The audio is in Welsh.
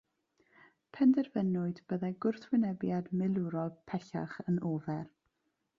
Penderfynwyd byddai gwrthwynebiad milwrol pellach yn ofer.